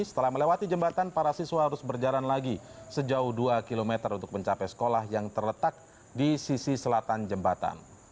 setelah melewati jembatan para siswa harus berjalan lagi sejauh dua km untuk mencapai sekolah yang terletak di sisi selatan jembatan